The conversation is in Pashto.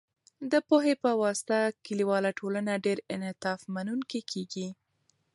د پوهې په واسطه، کلیواله ټولنه ډیر انعطاف منونکې کېږي.